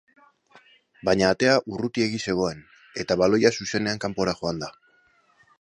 Baina atea urrutiegi zegoen, eta baloia zuzenean kanpora joan da.